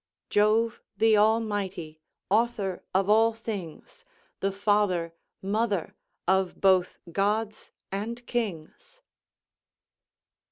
"Jove, the almighty, author of all things, The father, mother, of both gods and kings."